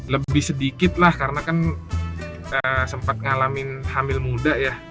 lebih sedikit lah karena kan sempat ngalamin hamil muda ya